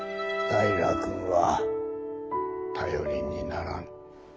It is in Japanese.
平君は頼りにならん。